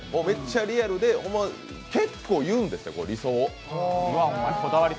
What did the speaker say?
めっちゃリアルで結構言うんですよ、理想を。